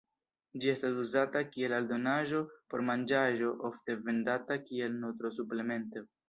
Ĝi estas uzata kiel aldonaĵo por manĝaĵo ofte vendata kiel nutro-suplemento.